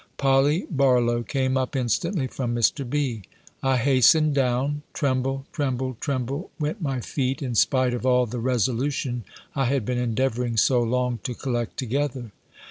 Polly Barlow came up instantly from Mr. B. I hastened down; tremble, tremble, tremble, went my feet, in spite of all the resolution I had been endeavouring so long to collect together.